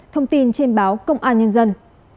thông tin trên báo công an nhân dân